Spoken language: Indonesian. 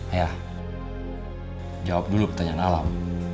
hea jawab dulu pertanyaan alam